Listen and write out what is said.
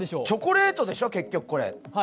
チョコレートでしょ、結局これ。